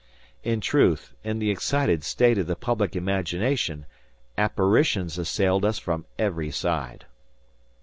In truth, in the excited state of the public imagination, apparitions assailed us from every side.